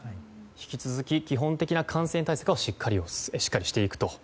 引き続き、基本的な感染対策をしっかりしていくと。